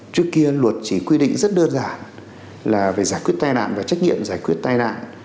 trước kia luật chỉ quy định rất đơn giản là về giải quyết tai nạn và trách nhiệm giải quyết tai nạn